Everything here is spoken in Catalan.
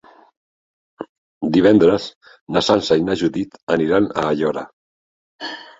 Divendres na Sança i na Judit aniran a Aiora.